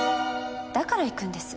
だから行くんです。